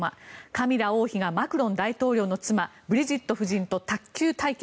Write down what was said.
カミラ王妃がマクロン大統領の妻・ブリジット夫人と卓球対決。